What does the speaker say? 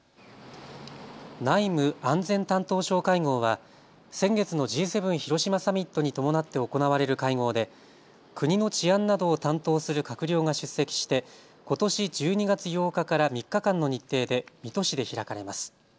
内務・安全担当相会合は先月のＧ７広島サミットに伴って行われる会合で国の治安などを担当する閣僚が出席してことし１２月８日から３日間の日程で水戸市で開かれます。